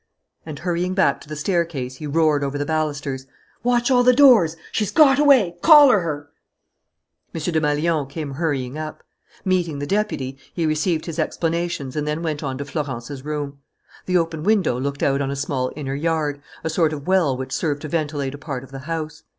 And, hurrying back to the staircase, he roared over the balusters: "Watch all the doors! She's got away! Collar her!" M. Desmalions came hurrying up. Meeting the deputy, he received his explanations and then went on to Florence's room. The open window looked out on a small inner yard, a sort of well which served to ventilate a part of the house.